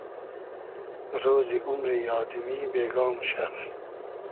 رۉزی اومری آدئمی بېگا موشۂ